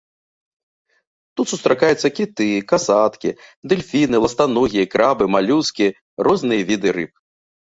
Тут сустракаюцца кіты, касаткі, дэльфіны, ластаногія, крабы, малюскі, розныя віды рыб.